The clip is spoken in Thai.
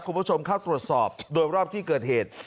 คุณผู้ชมเข้าตรวจสอบโดยรอบที่เกิดเหตุ